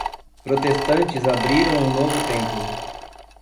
Protestantes abriram um novo templo.